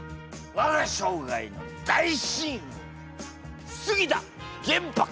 我が生涯の大親友杉田玄白！